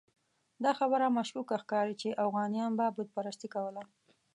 دا خبره مشکوکه ښکاري چې اوغانیانو به بت پرستي کوله.